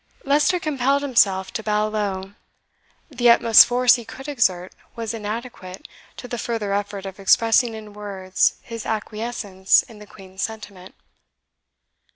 Leicester compelled himself to bow low. The utmost force he could exert was inadequate to the further effort of expressing in words his acquiescence in the Queen's sentiment.